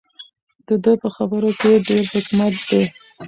د ده په خبرو کې ډېر حکمت دی.